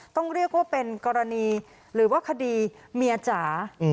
ต้องเรียกว่าเป็นกรณีหรือว่าคดีเมียจ๋า